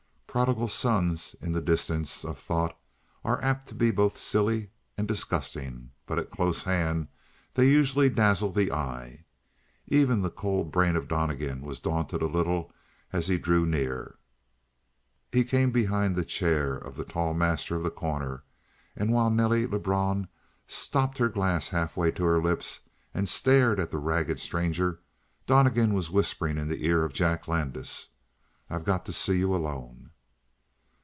Prodigal sons in the distance of thought are apt to be both silly: and disgusting, but at close hand they usually dazzle the eye. Even the cold brain of Donnegan was daunted a little as he drew near. He came behind the chair of the tall master of The Corner, and while Nelly Lebrun stopped her glass halfway to her lips and stared at the ragged stranger, Donnegan was whispering in the ear of Jack Landis: "I've got to see you alone."